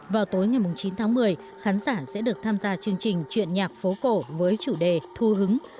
vào tối ngày chín tháng một mươi khán giả sẽ được tham gia chương trình chuyện nhạc phố cổ với chủ đề thu hứng